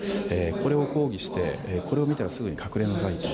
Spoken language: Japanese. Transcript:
これを講義して、これを見たらすぐに隠れなさいと。